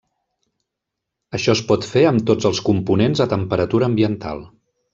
Això es pot fer amb tots els components a temperatura ambiental.